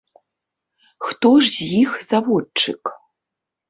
Хто ж з іх заводчык?!.